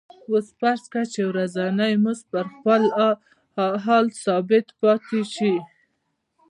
اوس فرض کړئ چې ورځنی مزد په خپل حال ثابت پاتې شي